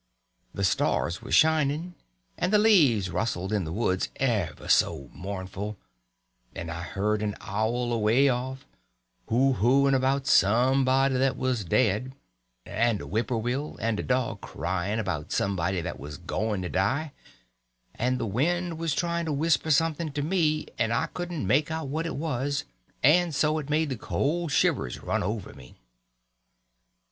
The stars were shining, and the leaves rustled in the woods ever so mournful; and I heard an owl, away off, who whooing about somebody that was dead, and a whippowill and a dog crying about somebody that was going to die; and the wind was trying to whisper something to me, and I couldn't make out what it was, and so it made the cold shivers run over me.